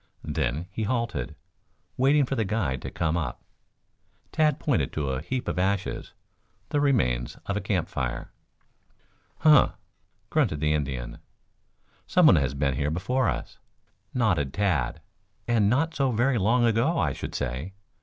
Then he halted, waiting for the guide to come up. Tad pointed to a heap of ashes, the remains of a campfire. "Huh!" grunted the Indian. "Someone has been here before us," nodded Tad. "And not so very long ago, I should say.